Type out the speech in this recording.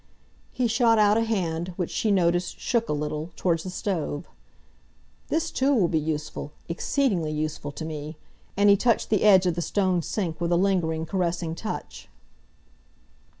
He shot out a hand, which she noticed shook a little, towards the stove. "This, too, will be useful—exceedingly useful, to me," and he touched the edge of the stone sink with a lingering, caressing touch.